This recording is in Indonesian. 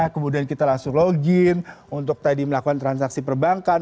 kemudian kita langsung login untuk tadi melakukan transaksi perbankan